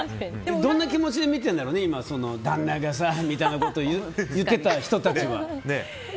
どんな気持ちで見てるんだろう旦那がさみたいなことを言ってた人たちは。